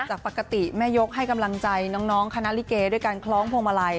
จากปกติแม่ยกให้กำลังใจน้องคณะลิเกด้วยการคล้องพวงมาลัย